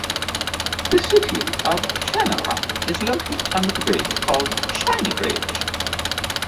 The city of Chenaran is located under the bridge called Shiny Bridge.